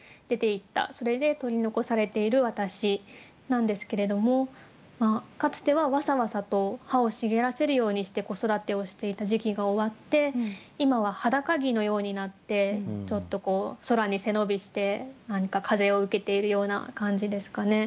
それで取り残されている私なんですけれどもかつてはわさわさと葉を茂らせるようにして子育てをしていた時期が終わって今は裸木のようになってちょっとこう空に背伸びして何か風を受けているような感じですかね。